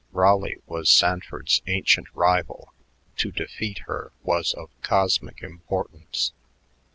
Raleigh was Sanford's ancient rival; to defeat her was of cosmic importance.